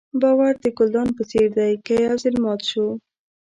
باور د ګلدان په څېر دی که یو ځل مات شو.